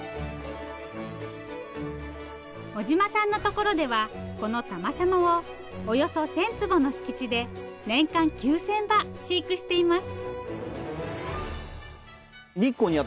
尾島さんのところではこのタマシャモをおよそ１，０００坪の敷地で年間９，０００羽飼育しています。